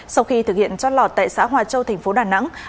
sau khi thực hiện trót lọt tại xã hòa châu tp đà nẵng